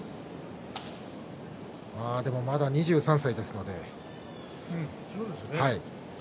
まだ２３歳ですので。